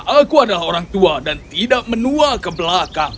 aku adalah orang tua dan tidak menua ke belakang